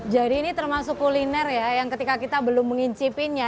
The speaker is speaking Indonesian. jadi ini termasuk kuliner ya yang ketika kita belum mengincipin ya